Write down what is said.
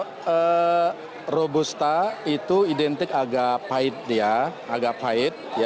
kalau robusta itu identik agak pahit dia agak pahit